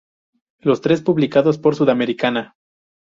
Los tres publicados por Sudamericana.